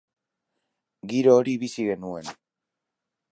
Giro hori bizi genuen.